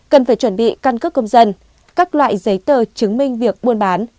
cần phải chuẩn bị căn cước công dân các loại giấy tờ chứng minh việc buôn bán